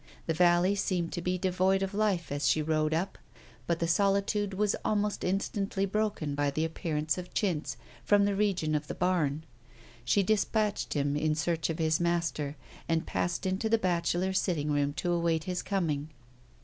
The valley seemed to be devoid of life as she rode up. But the solitude was almost instantly broken by the appearance of Chintz from the region of the barn. She dispatched him in search of his master and passed into the bachelor sitting room to await his coming.